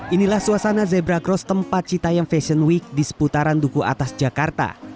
inilah suasana zebra cross tempat citayam fashion week di seputaran duku atas jakarta